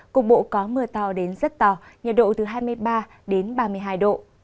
cục bộ có mưa to đến rất to nhiệt độ từ hai mươi ba đến ba mươi hai độ